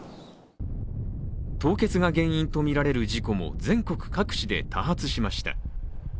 凍結が原因とみられる事故も全国各地で多発しました。